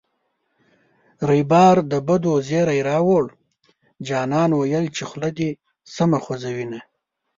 ریبار د بدو زېری راووړـــ جانان ویل چې خوله دې سمه خوزوینه